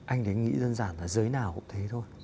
anh đấy nghĩ đơn giản là giới nào cũng thế thôi